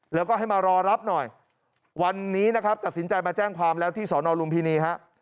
แล้วก็ให้มารอรับหน่อยวันนี้นะครับตัดสินใจมาแจ้งความแล้วที่สอนอลุมพินีฮะ